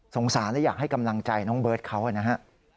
และอยากให้กำลังใจน้องเบิร์ตเขานะฮะ